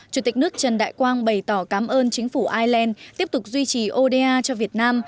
chủ tịch nước trần đại quang bày tỏ cảm ơn chính phủ ireland tiếp tục duy trì oda cho việt nam